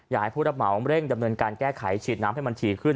อยากให้ผู้รับเหมาเร่งดำเนินการแก้ไขฉีดน้ำให้มันถี่ขึ้น